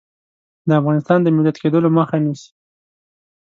د افغانستان د ملت کېدلو مخه نیسي.